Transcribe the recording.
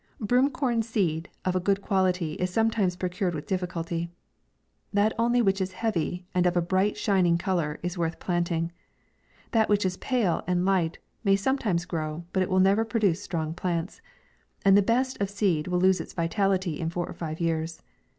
Broom corn seed of a good quality is some times procured with difficulty. That only which is heavy, and of a bright shining colour, is worth planting. That which is pale and light may sometimes grow, but will never produce strong plants ; and the best of seed will lose its vitality in four or five years.